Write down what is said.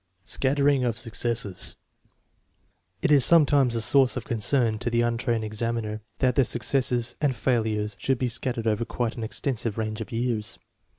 Scattering of successes. It is sometimes a source of con cern to the untrained examiner that the successes and fail ures should be scattered over quite an extensive range of years.